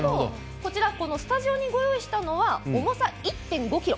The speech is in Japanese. こちらスタジオにご用意したのは重さ１．５ｋｇ